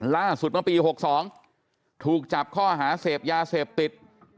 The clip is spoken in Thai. ล่าสุดเมื่อปี๖๒ถูกจับข้อหาเสพยาเสพติด